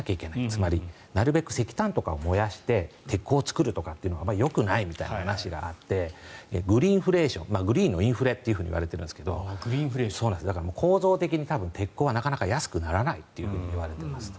つまり、なるべく石炭とかを燃やして鉄鋼を作るとかはあまりよくないという話があってグリーンフレーショングリーンのインフレーションと言われていますがだから、構造的に鉄鋼はなかなか安くならないといわれています。